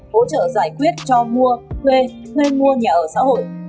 hỗ trợ giải quyết cho mua thuê thuê mua nhà ở xã hội